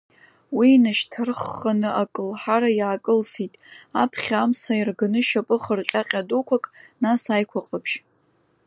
Уи инашьҭарххны акылҳара иаакылсит аԥхьа амса иарганы шьапы хырҟьаҟьа дуқәак, нас аиқәа ҟаԥшь.